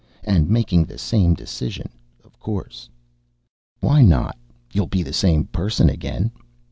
And making the same decision, of course. Why not? You'll be the same person again.